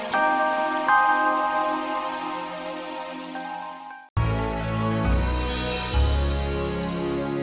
sialan banget si cewek ngeselin banget